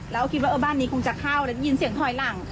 แล้วคิดว่าบ้านนี้คงจะเข้าแล้วได้ยินเสียงถอยหลัง